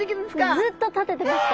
ずっとたててました。